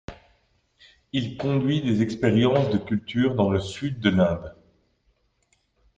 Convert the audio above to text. Il conduit des expériences de cultures dans le sud de l’Inde.